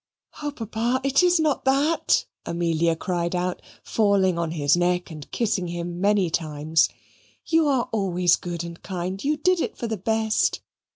"Oh, papa! it is not that," Amelia cried out, falling on his neck and kissing him many times. "You are always good and kind. You did it for the best.